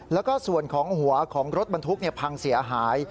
แล้วก็ส่วนของหัวของรถบรรทุกพังเสียหาย